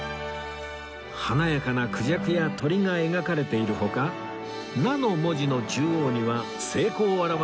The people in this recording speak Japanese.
華やかなクジャクや鳥が描かれている他「奈」の文字の中央には成功を表す太陽が